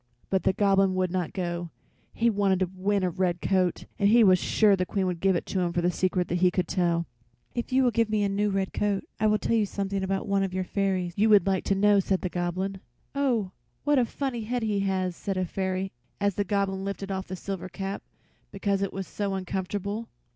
But the Goblin would not go; he wanted to win a red coat, and he was sure the Queen would give it to him for the secret he could tell. "If you will give me a new red coat I will tell you something about one of your fairies you would like to know," said the Goblin. "Oh, what a funny head he has!" said a fairy as the Goblin lifted off the silver cap, because it was so uncomfortable.